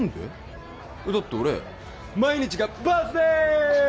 だって俺毎日がバースデー！